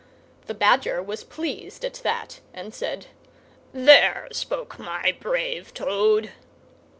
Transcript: The Badger was pleased at that, and said, "There spoke my brave Toad!"